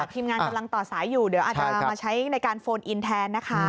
ทีมงานกำลังต่อสายอยู่เดี๋ยวอาจจะมาใช้ในการโฟนอินแทนนะคะ